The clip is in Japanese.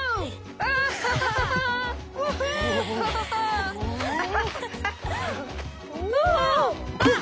あっ！